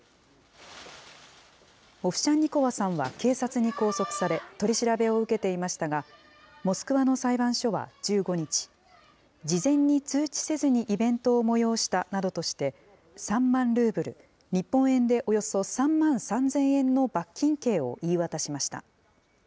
オフシャンニコワさんは警察に拘束され、取り調べを受けていましたが、モスクワの裁判所は１５日、事前に通知せずにイベントを催したなどとして、３万ルーブル、日本円でおよそ３万３０００円の罰金刑を言い渡しました。